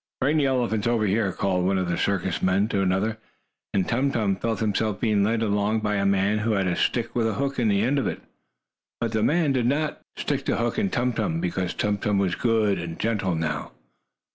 "Bring the elephants over here!" called one circus man to another, and Tum Tum felt himself being led along by a man who had a stick with a hook in the end of it. But the man did not stick the hook in Tum Tum, because Tum Tum was good and gentle now.